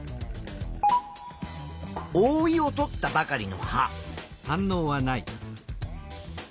おおいをとったばかりの葉。